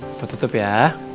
papa tutup ya